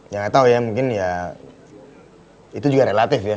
ya nggak tahu ya mungkin ya itu juga relatif ya